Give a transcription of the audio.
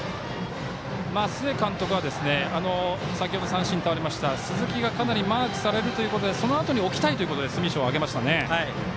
須江監督は先ほど三振に倒れた鈴木が、かなりマークされるということでそのあとに置きたいということで住石を上げました。